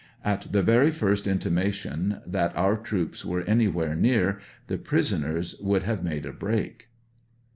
At the very first intimation that our troops were anywhere near, the prisoners would have made a break.